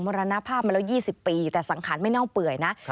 รณภาพมาแล้ว๒๐ปีแต่สังขารไม่เน่าเปื่อยนะ